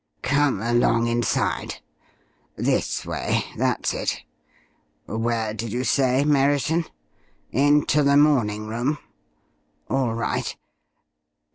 "Come along inside. This way that's it. Where did you say, Merriton? Into the morning room? All right.